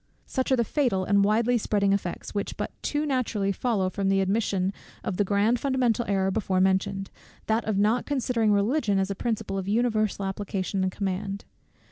Such are the fatal and widely spreading effects, which but too naturally follow from the admission of the grand fundamental error before mentioned, that of not considering Religion as a principle of universal application and command.